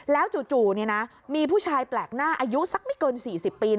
แล้วจู่มีผู้ชายแปลกหน้าอายุสักไม่เกิน๔๐ปี